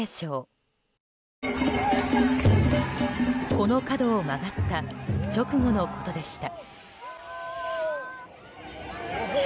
この角を曲がった直後のことでした。